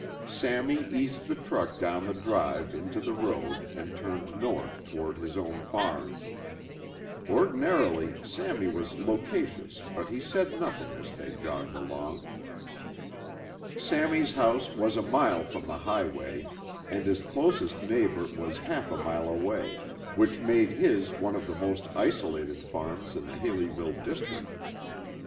Sammy eased the truck down the drive into the road and turned north toward his own farm. Ordinarily Sammy was loquacious but he said nothing as they jogged along. Sammy's house was a mile from the highway and his closest neighbor was half a mile away, which made his one of the most isolated farms in the Haleyville district.